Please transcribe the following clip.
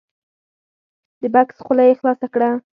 د بکس خوله یې خلاصه کړه !